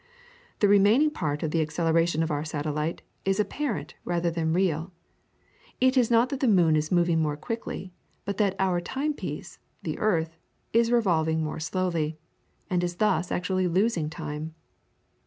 The remaining part of the acceleration of our satellite is apparent rather than real, it is not that the moon is moving more quickly, but that our time piece, the earth, is revolving more slowly, and is thus actually losing time.